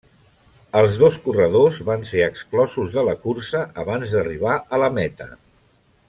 Els dos corredors van ser exclosos de la cursa abans d'arribar a la meta.